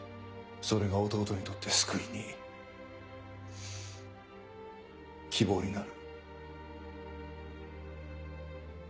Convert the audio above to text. それが弟にとって救いに希望になる。